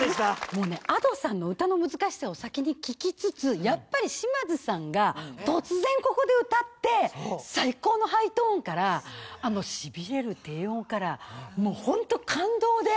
もうねＡｄｏさんの歌の難しさを先に聞きつつやっぱり島津さんが突然ここで歌って最高のハイトーンからあのしびれる低音からもうホント感動で。